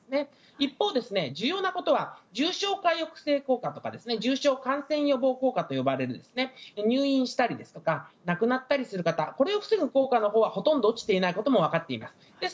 一方、重要なことは重症化抑制効果とか感染予防効果と呼ばれる入院したり亡くなったりする方これを防ぐ効果のほうはほとんど落ちていないこともわかっています。